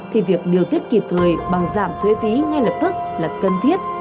thì việc điều tiết kịp thời bằng giảm thuế phí ngay lập tức là cần thiết